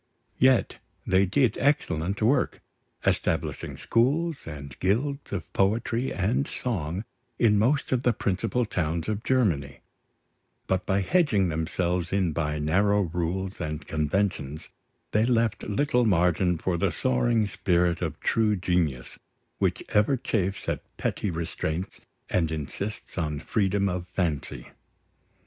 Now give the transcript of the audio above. Yet they did excellent work, establishing schools and guilds of poetry and song in most of the principal towns of Germany; but by hedging themselves in by narrow rules and conventions, they left little margin for the soaring spirit of true genius, which ever chafes at petty restraints, and insists on freedom of fancy.